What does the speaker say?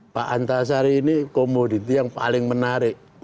pak antasari ini komoditi yang paling menarik